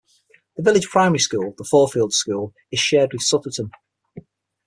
The village primary school, the Fourfields school, is shared with Sutterton.